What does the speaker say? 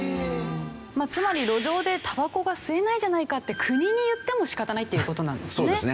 つまり路上でたばこが吸えないじゃないかって国に言っても仕方ないっていう事なんですね。